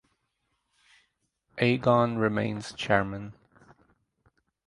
Agon remains chairman.